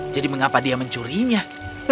jadi mengapa dia mencuri stroberi